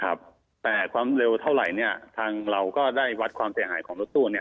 แต่ความเร็วเท่าไหร่ทางเราก็ได้วัดความเสียหายของรถตู้